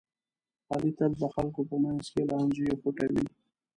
علي تل د خلکو په منځ کې لانجې خوټوي.